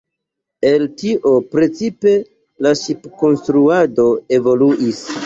El tio precipe la ŝipkonstruado evoluis.